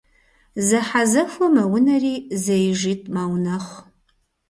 Зэхьэзэхуэ мэунэри зэижитӏ мэунэхъу.